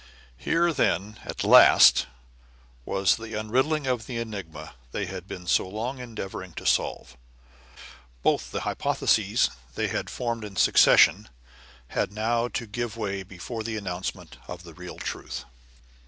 Here then, at last, was the unriddling of the enigma they had been so long endeavoring to solve; both the hypotheses they had formed in succession had now to give way before the announcement of the real truth.